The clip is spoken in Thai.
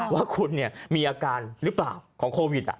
ว่าคุณมีอาการหรือเปล่าของโควิด